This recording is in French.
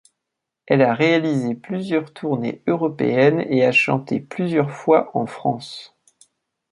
Elle a réalisé plusieurs tournées européennes et a chanté plusieurs fois en France.